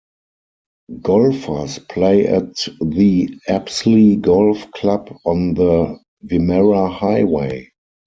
Golfers play at the Apsley Golf Club on the Wimmera Highway.